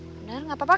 bener gak apa apa